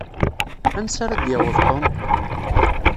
Ansa ara d-yaweḍ Tom?